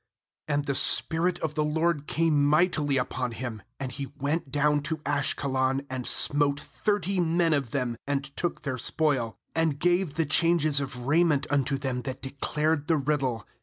^d the spirit of the LORD came mightily upon him, and he went down to Ashkelon, and smote thirty men of them, and took their spoil, and gave the changes of raiment unto them that declared the riddle.